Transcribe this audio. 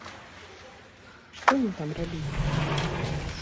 Што ім там рабіць?